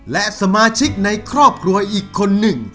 และสมาชิกในครอบครัวอีกคนหนึ่ง